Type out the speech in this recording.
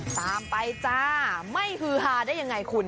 ตามไปจ้าไม่ฮือฮาได้ยังไงคุณ